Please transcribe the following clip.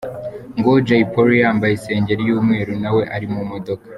Nguwo Jay Polly yambaye isengeri y'umweru na we ari mu modoka.